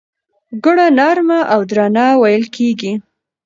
ګړه نرمه او درنه وېل کېږي.